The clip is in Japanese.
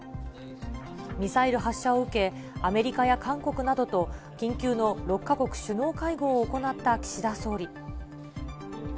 ミサイル発射を受け、アメリカや韓国などと、緊急の６か国首脳会合を行った岸田総理。